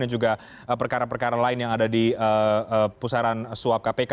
dan juga perkara perkara lain yang ada di pusaran suap kpk